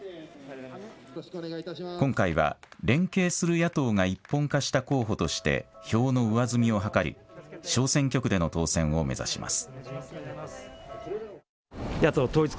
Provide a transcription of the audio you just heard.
今回は連携する野党が一本化した候補として票の上積みを図り小選挙区での当選を目指します。